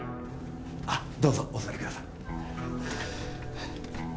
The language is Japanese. あっどうぞお座りください